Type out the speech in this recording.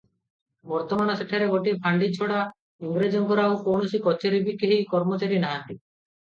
ବର୍ତ୍ତମାନ ସେଠାରେ ଗୋଟିଏ ଫାଣ୍ତି ଛଡ଼ା ଇଂରାଜଙ୍କର ଆଉ କୌଣସି କଚେରୀ କି କେହି କର୍ମଚାରୀ ନାହାନ୍ତି ।